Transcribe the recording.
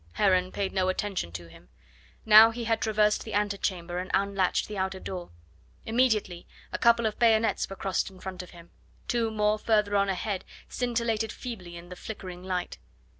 Heron paid no attention to him. Now he had traversed the antechamber and unlatched the outer door. Immediately a couple of bayonets were crossed in front of him, two more further on ahead scintillated feebly in the flickering light.